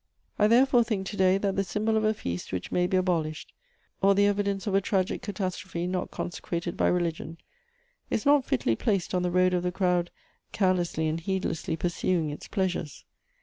I therefore think to day that the symbol of a feast which may be abolished, or the evidence of a tragic catastrophe not consecrated by religion, is not fitly placed on the road of the crowd carelessly and heedlessly pursuing its pleasures.